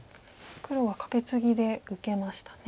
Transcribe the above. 黒はカケツギで受けましたね。